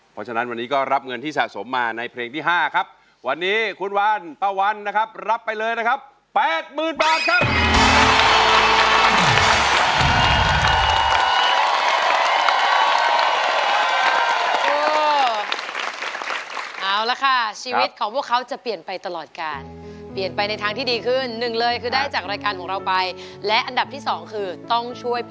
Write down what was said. เพราะฉะนั้นวันนี้ก็รับเงินที่สะสมมาในเพลงที่๕ครับวันนี้คุณวันป้าวันนะครับรับไปเลยนะครับ๘๐๐๐บาทครับ